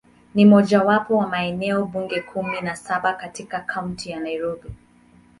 Ni mojawapo wa maeneo bunge kumi na saba katika Kaunti ya Nairobi.